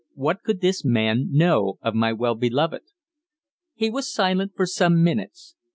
What could this man know of my well beloved? He was silent for some minutes.